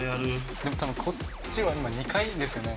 でも多分こっちは今２回ですよね？